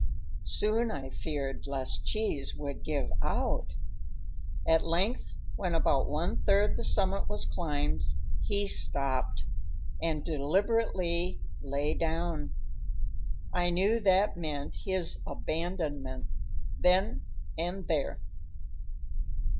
Soon I feared lest Cheese would give out. At length, when about one third the summit was climbed, he stopped and deliberately lay down. I knew that meant his abandonment, then and there.